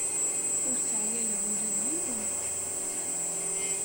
Ur sseɛyayeɣ ula d yiwen.